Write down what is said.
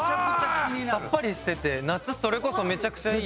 さっぱりしてて夏それこそめちゃくちゃいい。